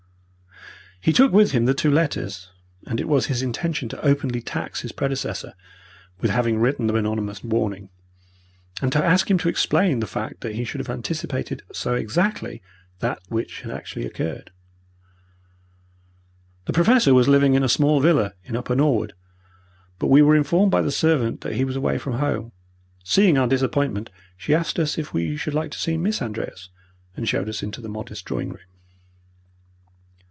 He took with him the two letters, and it was his intention to openly tax his predecessor with having written the anonymous warning, and to ask him to explain the fact that he should have anticipated so exactly that which had actually occurred. The Professor was living in a small villa in Upper Norwood, but we were informed by the servant that he was away from home. Seeing our disappointment, she asked us if we should like to see Miss Andreas, and showed us into the modest drawing room.